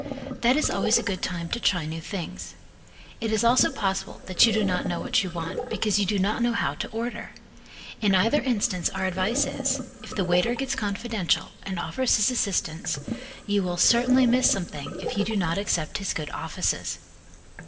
That is always a good time to try new things. It is also possible that you do not know what you want because you do not know how to order. In either instance our advice is, if the waiter gets confidential and offers his assistance you will certainly miss something if you do not accept his good offices.